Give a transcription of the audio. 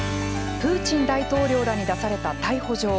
プーチン大統領らに出された逮捕状。